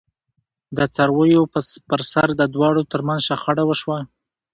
د څارویو پرسر د دواړو ترمنځ شخړه وشوه.